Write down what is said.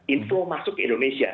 info masuk ke indonesia